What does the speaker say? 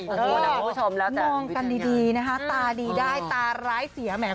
อ๋อมองกันดีนะฮะตาดีได้ตาร้ายเสียแหมะ